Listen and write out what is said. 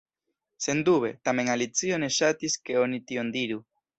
Sendube! Tamen Alicio ne ŝatis ke oni tion diru.